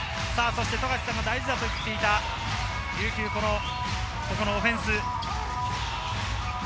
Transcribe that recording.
富樫さんが大事だと言っていた琉球のオフェンス。